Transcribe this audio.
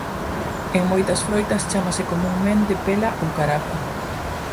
En moitas froitas chámase comunmente pela ou carapa.